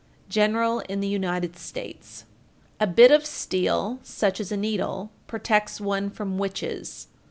General in the United States. 1417. A bit of steel, such as a needle, protects one from witches.